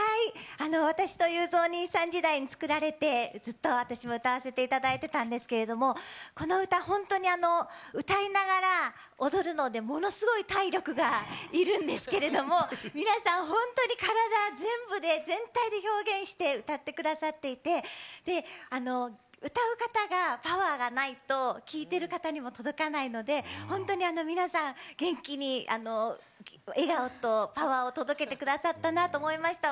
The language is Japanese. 私とゆうぞうおにいさん時代にずっと私も歌わせていただいてたんですけれどもこの歌本当に歌いながら踊るのでものすごい体力がいるんですけれども皆さん、本当に体全部で全体で表現して歌ってくださっていて歌う方がパワーがないと聴いてる方にも届かないので本当に皆さん元気に笑顔とパワーを届けてくださったなと思いました。